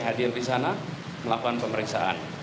hadir di sana melakukan pemeriksaan